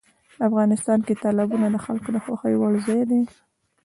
افغانستان کې تالابونه د خلکو د خوښې وړ ځای دی.